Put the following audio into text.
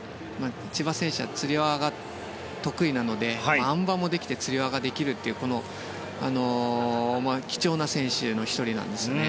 千葉選手は、つり輪が得意なのであん馬もできてつり輪ができるという貴重な選手の１人なんです。